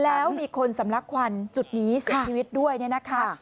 แล้วมีคนสำลักควันจุดนี้เสียชีวิตด้วยเนี่ยนะคะ